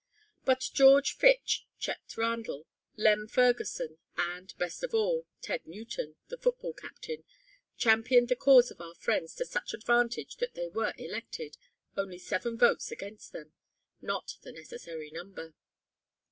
But George Fitch, Chet Randell, Lem Ferguson and, best of all, Ted Newton, the football captain, championed the cause of our friends to such advantage that they were elected, only seven votes against them not the necessary number.